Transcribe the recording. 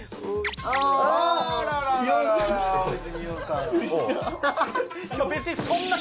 あららららら大泉洋さん